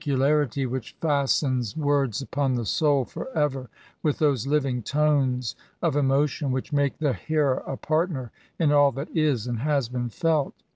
larity which £ei8tenB words upon the soul for ever, — ^with those living tones of emotion which piake the hearer a partner in all that is and has been felt.